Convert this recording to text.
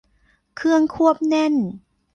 เครื่องควบแน่น